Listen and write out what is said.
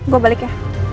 gue balik ya